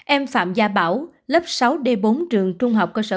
em phạm gia bảo lớp sáu d bốn trường trung học cơ sở